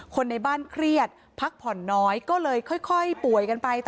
คนในบ้านเครียดพักผ่อนน้อยก็เลยค่อยป่วยกันไป